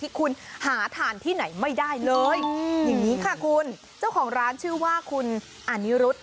ที่คุณหาทานที่ไหนไม่ได้เลยอย่างนี้ค่ะคุณเจ้าของร้านชื่อว่าคุณอานิรุธ